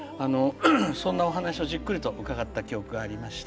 そんなお話をじっくりと伺った記憶がありました。